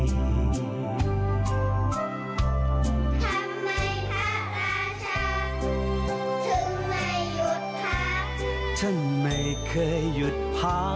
ทำไมพระราชาถึงไม่หยุดพัก